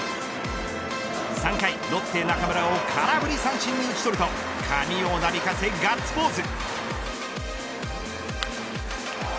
３回ロッテ中村を空振り三振に打ち取ると髪をなびかせガッツポーズ。